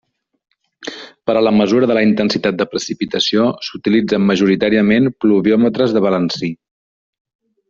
Per a la mesura de la intensitat de precipitació s’utilitzen majoritàriament pluviòmetres de balancí.